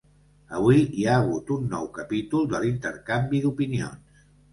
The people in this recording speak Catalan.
Avui hi ha hagut un nou capítol de l’intercanvi d’opinions.